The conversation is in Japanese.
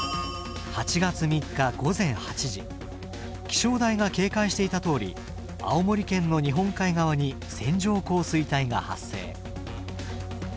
気象台が警戒していたとおり青森県の日本海側に線状降水帯が発生。